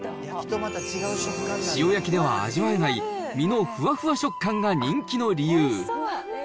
塩焼きでは味わえない、身のふわふわ食感が人気の理由。